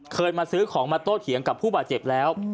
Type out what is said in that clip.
เคยมาซื้อของมาโต้เถียงกับผู้บาดเจ็บแล้ว